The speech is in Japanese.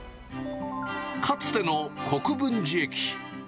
かつての国分寺駅。